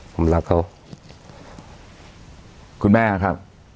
ผมรักเขาคุณแม่ครับ